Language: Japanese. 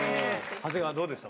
長谷川、どうでした？